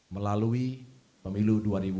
melalui pemilu dua ribu dua puluh